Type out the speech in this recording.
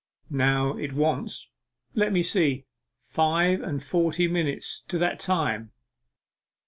Now it wants let me see five and forty minutes to that time.